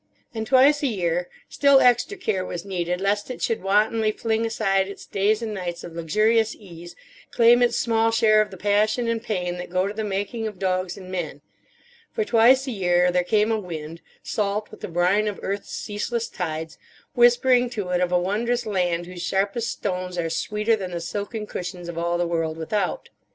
And twice a year still extra care was needed, lest it should wantonly fling aside its days and nights of luxurious ease, claim its small share of the passion and pain that go to the making of dogs and men. For twice a year there came a wind, salt with the brine of earth's ceaseless tides, whispering to it of a wondrous land whose sharpest stones are sweeter than the silken cushions of all the world without.